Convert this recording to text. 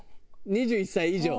「２１歳以上」。